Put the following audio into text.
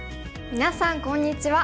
みなさんこんにちは。